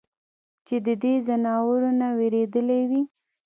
چې د دې ځناورو نه وېرېدلے وي ؟